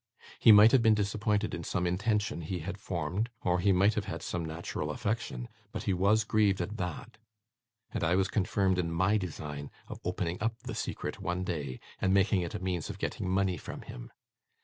He might have been disappointed in some intention he had formed, or he might have had some natural affection, but he WAS grieved at THAT, and I was confirmed in my design of opening up the secret one day, and making it a means of getting money from him.